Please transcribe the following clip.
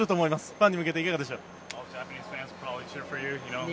ファンに向けていかがでしょう。